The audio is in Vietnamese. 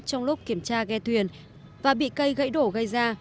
cây bị kiểm tra ghe thuyền và bị cây gãy đổ gây ra